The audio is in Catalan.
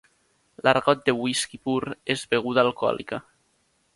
L'argot de whisky pur és beguda alcohòlica.